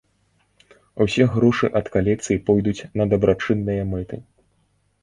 Усе грошы ад калекцыі пойдуць на дабрачынныя мэты.